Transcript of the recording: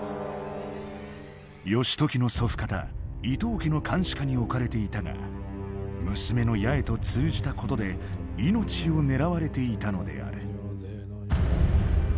義時の祖父方伊東家の監視下に置かれていたが娘の八重と通じたことで命を狙われていたのである。